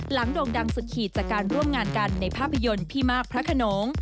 โด่งดังสุดขีดจากการร่วมงานกันในภาพยนตร์พี่มากพระขนง